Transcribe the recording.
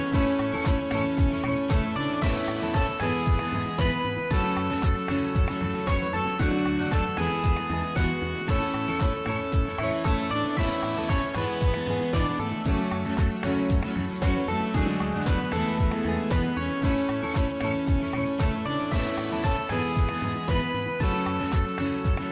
โปรดติดตามตอนต่อไป